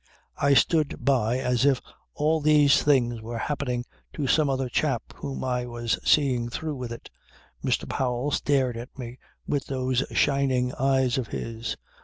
I stood by as if all these things were happening to some other chap whom I was seeing through with it. Mr. Powell stared at me with those shining eyes of his.